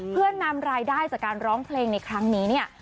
เพื่อนำรายได้จากการร้องเพลงในครั้งนี้เนี่ย